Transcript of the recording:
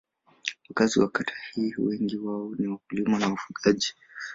Wakazi wa kata hii wengi wao ni wakulima na wafugaji.